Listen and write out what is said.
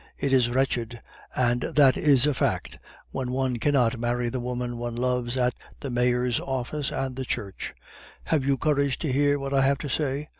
It is wretched, and that is a fact, when one cannot marry the woman one loves at the mayor's office and the church.' "'Have you courage to hear what I have to say?